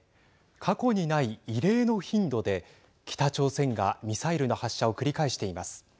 過去にない異例の頻度で北朝鮮がミサイルの発射を繰り返しています。